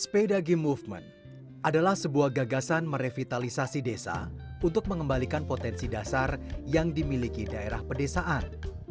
spedagi movement adalah sebuah gagasan merevitalisasi desa untuk mengembalikan potensi dasar yang dimiliki daerah pedesaan